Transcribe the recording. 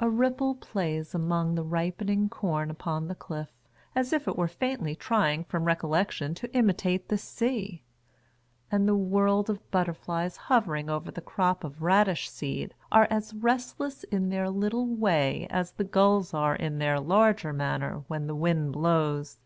A ripple plays among the ripening corn upon the cliff, as if it were faintly trying from recollection to imitate the sea ; and the world of butterflies hovering over the crop of radish seed are as restless in their little way as the gulls are in their larger manner when the wind blows.